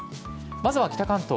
まずは北関東。